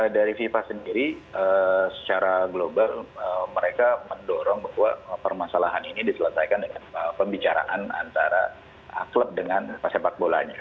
dari fifa sendiri secara global mereka mendorong bahwa permasalahan ini diselesaikan dengan pembicaraan antara klub dengan sepak bolanya